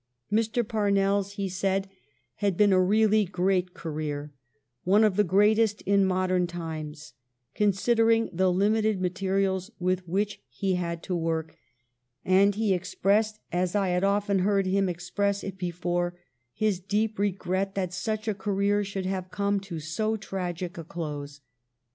Mr. Par nell's, he said, had been a really great career; one of the greatest in modern times, considering the limited materials with which he had to work; and "THE LONG DAY'S TASK IS DONE" 395 he expressed, as I had often heard him express it before, his deep regret that such a career should have come to so tragic a close.